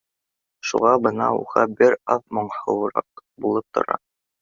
Шуға бына уға бер аҙ моңһоуыраҡ булып тора